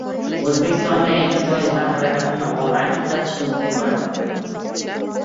O‘zbekistonda endi poyezdlar harakatini onlayn kuzatish mumkin bo‘ladi